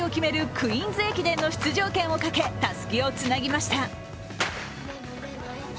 クイーンズ駅伝の出場権をかけ、たすきをつなぎました。